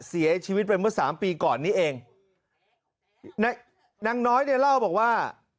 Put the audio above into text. เสียชีวิตไปเมื่อสามปีก่อนนี้เองนางน้อยเนี่ยเล่าบอกว่า